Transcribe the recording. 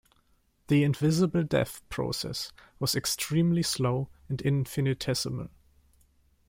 The "Invisible Death" process was extremely slow and infinitesimal.